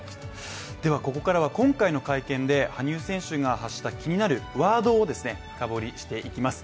ここからは今回の会見で羽生選手が発した気になるワードを深掘りしていきます。